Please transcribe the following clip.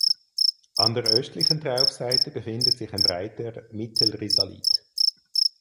An der östlichen Traufseite befindet sich ein breiter Mittelrisalit.